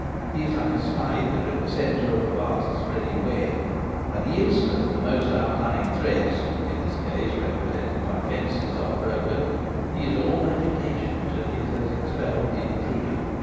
He is like a spider in the centre of a vast spreading web, and the instant the most outlying threads — in this case represented by fences — are broken he is all agitation till he has expelled the intruder.